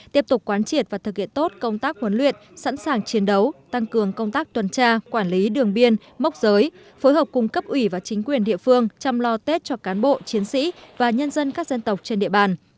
tiếp tục quán triệt và thực hiện tốt công tác huấn luyện sẵn sàng chiến đấu tăng cường công tác tuần tra quản lý đường biên mốc giới phối hợp cung cấp ủy và chính quyền địa phương chăm lo tết cho cán bộ chiến sĩ và nhân dân các dân tộc trên địa bàn